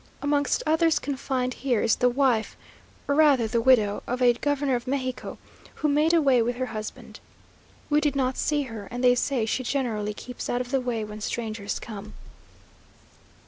Amongst others confined here is the wife, or rather the widow, of a governor of Mexico, who made away with her husband. We did not see her, and they say she generally keeps out of the way when strangers come.